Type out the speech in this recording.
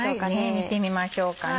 見てみましょうかね。